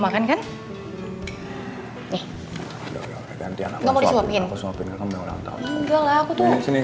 kamu belum makan kan